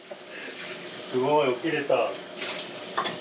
すごい起きれた。